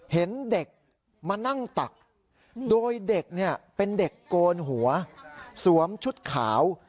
เห็นเด็กมานั่งตักโดยเด็กเนี่ยเป็นเด็กโกนหัวสวมชุดขาว